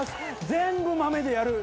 全部豆でやる。